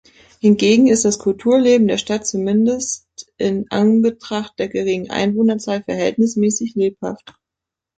Hingegen ist das Kulturleben der Stadt zumindest in Anbetracht der geringen Einwohnerzahl verhältnismäßig lebhaft.